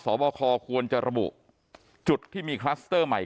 บคควรจะระบุจุดที่มีคลัสเตอร์ใหม่